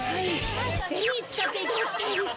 ぜひ使っていただきたいです。